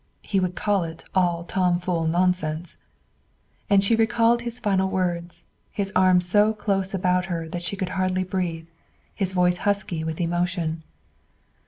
He would call it all tomfool nonsense. And she recalled his final words, his arms so close about her that she could hardly breathe, his voice husky with emotion.